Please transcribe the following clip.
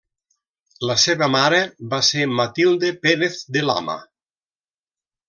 La seva mare va ser Matilde Pérez de Lama.